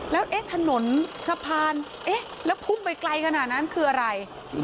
แล้วเอ๊ะถนนสะพานเอ๊ะแล้วพุ่งไปไกลขนาดนั้นคืออะไร